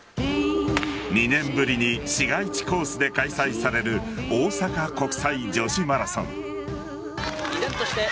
２年ぶりに市街地コースで開催される大阪国際女子マラソン。